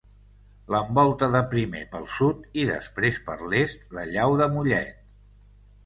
L'envolta de primer pel sud i després per l'est la Llau de Mollet.